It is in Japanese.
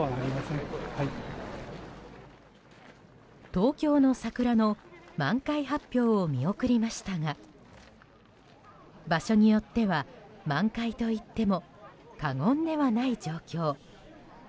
東京の桜の満開発表を見送りましたが場所によっては満開といっても過言ではない状況。